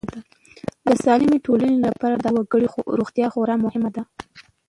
د سالمې ټولنې لپاره د هر وګړي روغتیا خورا مهمه ده.